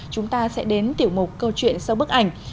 chúng ta sẽ đến tiểu mục câu chuyện sau bức ảnh